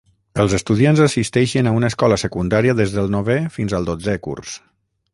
Els estudiants assisteixen a una escola secundària des del novè fins al dotzè curs.